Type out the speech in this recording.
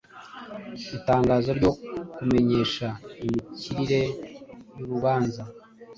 itangazo ryo kumenyesha imikirize y’urubanza